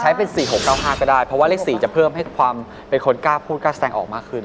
ใช้เป็น๔๖๙๕ก็ได้เพราะว่าเลข๔จะเพิ่มให้ความเป็นคนกล้าพูดกล้าแสดงออกมากขึ้น